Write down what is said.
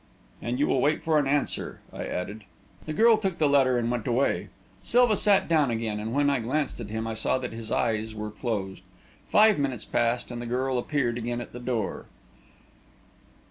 "And you will wait for an answer," I added. The girl took the letter and went away. Silva sat down again, and when I glanced at him, I saw that his eyes were closed. Five minutes passed, and the girl appeared again at the door.